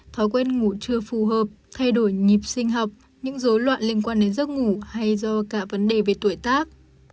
thói quen ngủ chưa phù hợp thay đổi nhịp sinh học những dối loạn liên quan đến giấc ngủ hay do cả vấn đề về tuổi tác